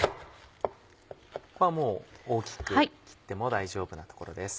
ここはもう大きく切っても大丈夫な所です。